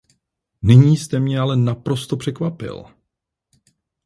Nyní jste mě ale naprosto překvapil.